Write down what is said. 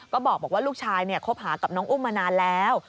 ก็บอกว่าลูกชายคบหากับน้องอุ้มมานานแล้ว